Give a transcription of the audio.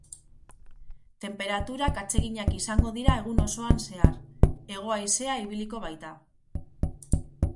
Tenperaturak atseginak izango dira egun osoan zehar, hego haizea ibiliko baita.